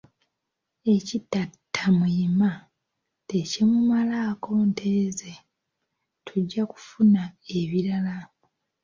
ekitatta muyima, tekimumalaako nte ze, tujja kufuna ebirala